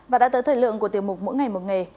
và đã tới thời lượng của tiểu mục mỗi ngày một nghề